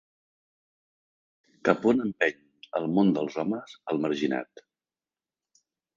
Cap on empeny el món dels homes al marginat?